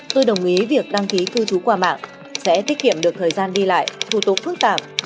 tôi đồng ý việc đăng ký cư trú qua mạng sẽ tiết kiệm được thời gian đi lại thủ tục phức tạp